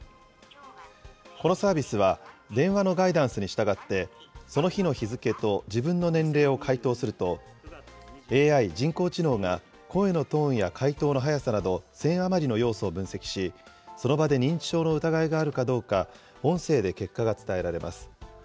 このサービスは電話のガイダンスに従って、その日の日付と自分の年齢を回答すると、ＡＩ・人工知能が声のトーンや回答の速さなど、１０００余りの要素を分析し、その場で認知症の疑いがあるかどうか、音声で結果が伝えられます。